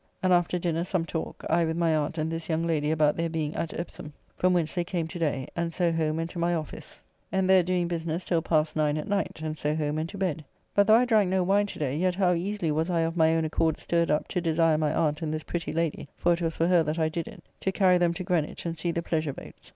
And after dinner some talk, I with my aunt and this young lady about their being [at] Epsom, from whence they came to day, and so home and to my office, and there doing business till past 9 at night, and so home and to bed. But though I drank no wine to day, yet how easily was I of my own accord stirred up to desire my aunt and this pretty lady (for it was for her that I did it) to carry them to Greenwich and see the pleasure boats.